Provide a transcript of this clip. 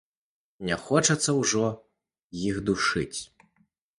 Не хочацца ўжо іх душыць.